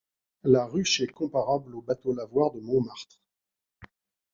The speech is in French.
La Ruche est comparable au Bateau-Lavoir de Montmartre.